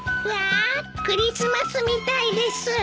うわクリスマスみたいです。